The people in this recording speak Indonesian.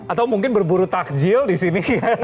atau mungkin berburu takjil di sini